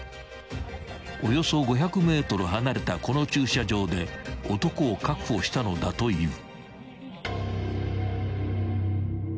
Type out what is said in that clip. ［およそ５００ｍ離れたこの駐車場で男を確保したのだという］